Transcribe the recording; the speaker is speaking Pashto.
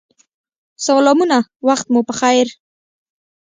سلامونه وخت مو پخیر